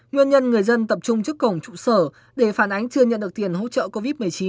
nguyên nhân người dân tập trung trước cổng trụ sở để phản ánh chưa nhận được tiền hỗ trợ covid một mươi chín